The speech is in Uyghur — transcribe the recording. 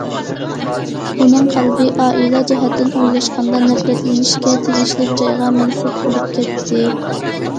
ئۇنىڭ قەلبى ئائىلە جەھەتتىن ئويلاشقاندا نەپرەتلىنىشكە تېگىشلىك جايغا مەنسۇپ بولۇپ كەتتى.